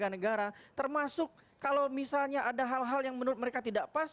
termasuk kalau misalnya ada hal hal yang menurut mereka tidak pas